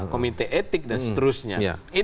komite etik dan seterusnya